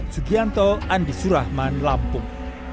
sugianto andi surahman lampung